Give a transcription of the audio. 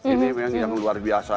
ini memang yang luar biasa